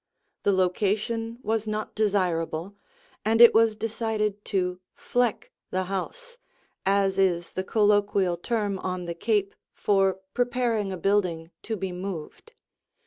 The location was not desirable, and it was decided to "fleck" the house, as is the colloquial term on the Cape for preparing a building to be moved.